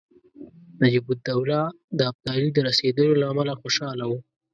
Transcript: نجیب الدوله د ابدالي د رسېدلو له امله خوشاله وو.